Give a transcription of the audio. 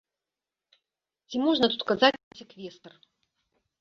Ці можна тут казаць пра секвестр?